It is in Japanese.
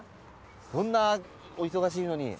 そんなお忙しいのに。